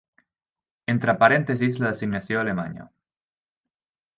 Entre parèntesis la designació alemanya.